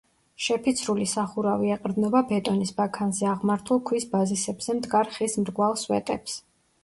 შეფიცრული სახურავი ეყრდნობა ბეტონის ბაქანზე აღმართულ ქვის ბაზისებზე მდგარ ხის მრგვალ სვეტებს.